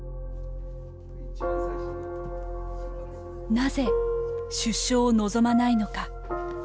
なぜ出所を望まないのか。